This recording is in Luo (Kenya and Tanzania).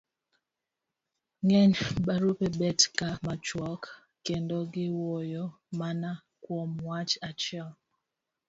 ng'eny barupe bet ga machuok kendo giwuoyo mana kuom wach achiel.